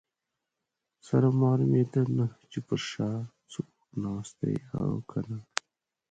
سره معلومېده نه چې پر شا څوک ناست دي او که نه.